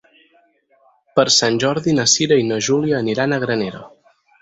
Per Sant Jordi na Cira i na Júlia aniran a Granera.